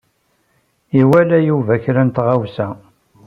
Iwala Yuba kra n tɣawsa.